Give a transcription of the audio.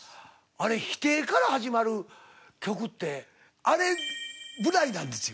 あれ否定から始まる曲ってあれぐらいなんですよ。